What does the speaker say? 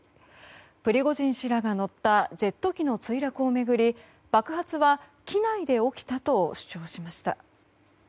プリゴジン氏らが乗ったジェット機の墜落を巡り爆発は機内で起きたと主張しました。